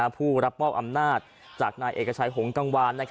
ผู้รับมอบอำนาจจากนายเอกชัยหงกังวาน